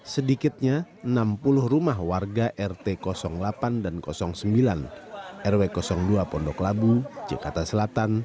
sedikitnya enam puluh rumah warga rt delapan dan sembilan rw dua pondok labu jakarta selatan